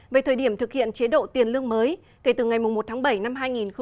về thời điểm thực hiện chế độ tiền lương mới kể từ ngày một tháng bảy năm hai nghìn hai mươi